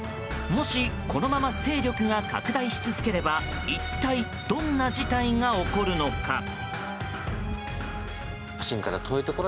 もし、このまま勢力が拡大し続ければ一体どんな事態が起こるのか。